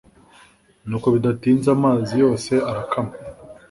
Nuko bidatinze amazi yose arakama